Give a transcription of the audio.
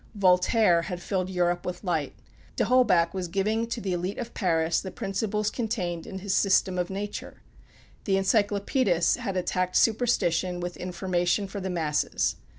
Voltaire had filled Europe with light; D'Holbach was giving to the elite of Paris the principles containe'd in his "System of Nature." The Encyclopædists had attacked superstition with information for the masses.